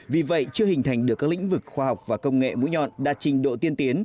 vì vậy chưa hình thành được các lĩnh vực khoa học và công nghệ mũi nhọn đạt trình độ tiên tiến